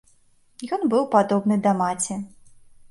Ён быў падобны да маці.